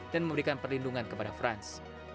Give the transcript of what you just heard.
dan memberikan perlindungan kepada franz